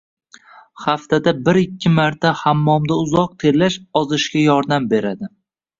Haftada bir-ikki marta hammomda uzoq terlash ozishga yordam beradi.